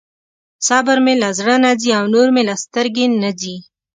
صبر مې له زړه نه ځي او نور مې له سترګې نه ځي.